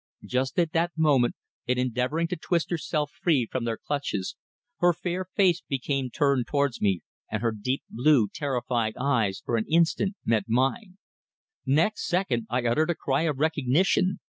Just at that moment, in endeavouring to twist herself free from their clutches, her fair face became turned towards me and her deep blue, terrified eyes for an instant met mine. Next second I uttered a cry of recognition.